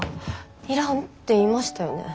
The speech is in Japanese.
要らんって言いましたよね。